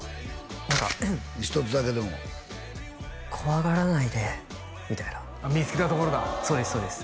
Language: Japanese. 何か１つだけでも「怖がらないで」みたいな見つけたところだそうです